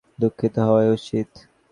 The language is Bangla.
দুঃখিত হওয়াই উচিৎ।